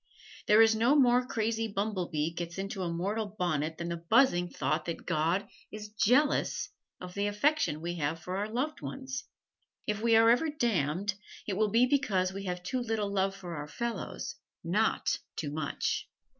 There is no more crazy bumblebee gets into a mortal's bonnet than the buzzing thought that God is jealous of the affection we have for our loved ones. If we are ever damned, it will be because we have too little love for our fellows, not too much.